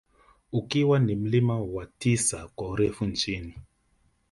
Ukiwa ni mlima wa tisa kwa urefu nchini